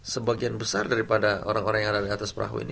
sebagian besar daripada orang orang yang ada di atas perahu ini